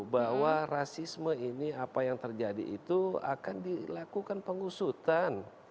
bahwa rasisme ini apa yang terjadi itu akan dilakukan pengusutan